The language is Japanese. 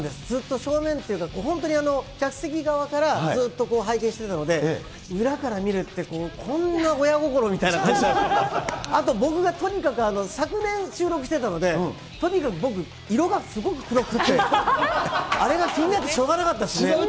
ずっと正面っていうか、本当に、客席側からずっと拝見していたので、裏から見るって、こんな親心みたいな感じ、あと僕がとにかく昨年、収録してたので、とにかく僕、色がすごく黒くって、あれが気になってしょうがなかったですね。